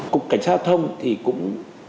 cục cảnh sát thông thì cũng